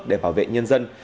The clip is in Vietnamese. để bảo vệ nhân dân